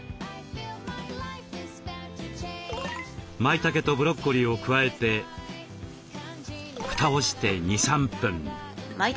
まいたけとブロッコリーを加えてふたをして２３分。